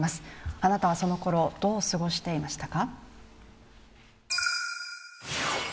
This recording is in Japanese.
あなたはその頃、どう過ごしていましたか？